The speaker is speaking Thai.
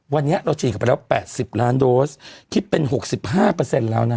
วันนี้เราฉีดกันไปแล้วแปดสิบล้านโดสที่เป็นหกสิบห้าเปอร์เซ็นต์แล้วนะฮะ